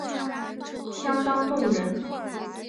相当动人